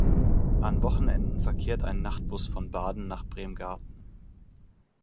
An Wochenenden verkehrt ein Nachtbus von Baden nach Bremgarten.